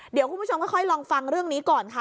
เดี๋ยวคุณผู้ชมค่อยลองฟังเรื่องนี้ก่อนค่ะ